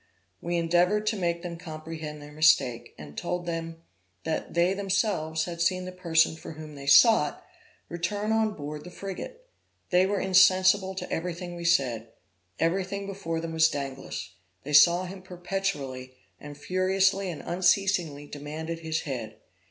We endeavored to make them comprehend their mistake, and told them that they themselves had seen the person for whom they sought return on board the frigate. They were insensible to everything we said; everything before them was Danglas; they saw him perpetually, and furiously and unceasingly demanded his head.